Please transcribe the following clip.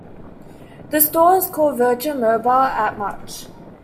This store is called "Virgin Mobile at Much".